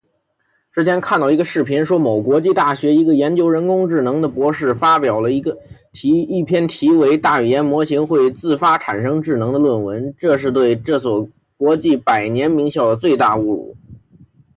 之前看到一个视频说某国际大学一个研究人工智能的博士发表了一篇题为:大语言模型会自发产生智能的论文，这是对这所国际百年名校的最大侮辱